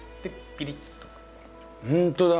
ピリッと。